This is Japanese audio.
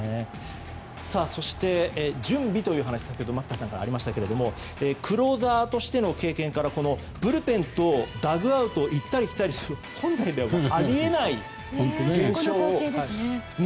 そして、準備という話が牧田さんからありましたがクローザーとしての経験からブルペンとダッグアウトを行ったり来たりするという本来ではあり得ないですね。